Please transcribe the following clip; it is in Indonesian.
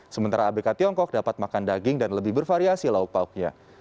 sementara abk tiongkok dapat makan daging dan lebih bervariasi lauk pauknya